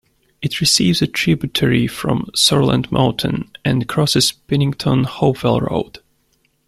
It receives a tributary from Sourland Mountain, and crosses Pennington-Hopewell Road.